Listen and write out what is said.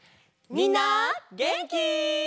みんなげんき？